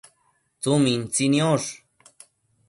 tsumintsi niosh